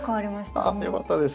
あよかったです。